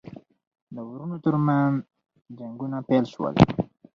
د وروڼو ترمنځ جنګونه پیل شول.